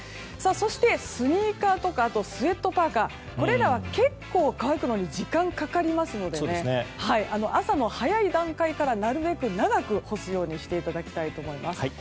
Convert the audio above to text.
そしてスニーカーとかあとスウェットやパーカは乾くのに時間がかかるので朝の早い段階からなるべく長く干すようにしていただければと思います。